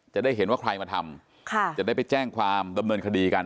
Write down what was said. จะได้เห็นว่าใครมาทำจะได้ไปแจ้งความดำเนินคดีกัน